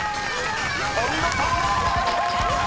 ［お見事！］